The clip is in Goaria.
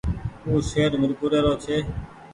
او شهر ميرپور رو ڇي۔